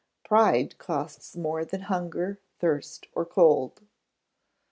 [PRIDE COSTS MORE THAN HUNGER, THIRST, OR COLD.